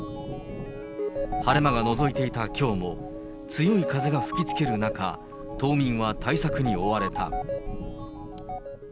晴れ間がのぞいていたきょうも、強い風が吹きつける中、島民は対策に追われた。